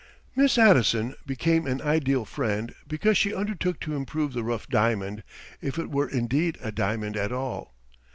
Miss Addison became an ideal friend because she undertook to improve the rough diamond, if it were indeed a diamond at all.